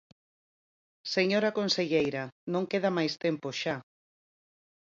Señora conselleira, non queda máis tempo xa.